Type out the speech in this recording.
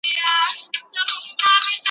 په دغي برخې کي څه نسته.